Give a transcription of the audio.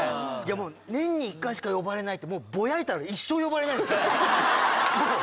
もう年に１回しか呼ばれないって、ぼやいたら一生呼ばれないですから。